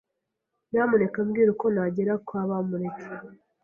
Nyamuneka mbwira uko nagera kwa Bamureke.